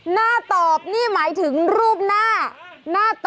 น่าตอบนี่หมายถึงรูปหน้า